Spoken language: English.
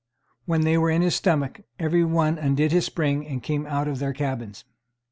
When they were in his stomach, every one undid his spring, and came out of their cabins.